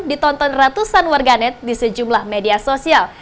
ditonton ratusan warganet di sejumlah media sosial